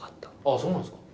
ああそうなんですか。